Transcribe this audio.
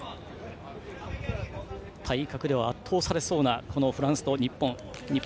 体格では圧倒されそうなフランスと日本。